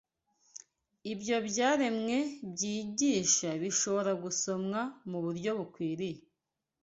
Ibyo ibyaremwe byigisha bishobora gusomwa mu buryo bukwiriye